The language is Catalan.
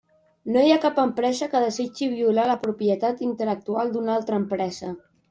No hi ha cap empresa que desitgi violar la propietat intel·lectual d'una altra empresa.